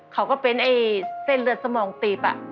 เขาก็เป็นไอ้เส้นเลือดสมองตีบ